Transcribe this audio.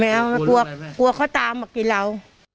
ไม่เอามันกลัวเขาตามมากินเรา